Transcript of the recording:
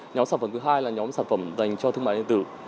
nhóm sản phẩm thứ hai là nhóm sản phẩm dành cho thương mại điện tử